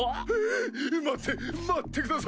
ヒィ待って待ってください！